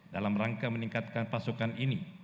dalam rangka meningkatkan pasokan ini